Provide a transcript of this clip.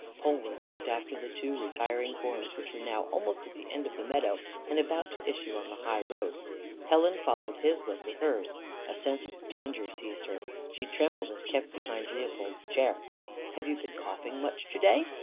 Polwarth looked after the two retiring forms, which were now almost at the end of the meadow, and about to issue on the high road. Helen followed his look with hers. A sense of danger seized her. She trembled, and kept behind Leopold's chair. "Have you been coughing much to day?"